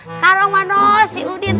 sekarang mana si udin